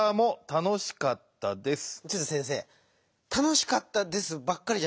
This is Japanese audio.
「たのしかったです」